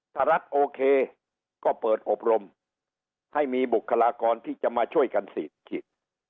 ถ้ารัฐโอเคก็เปิดอบรมให้มีบุคลากรที่จะมาช่วยกันฉีดฉีด